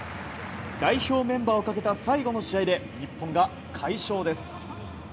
代表メンバーをかけた最後の試合で日本が快勝です。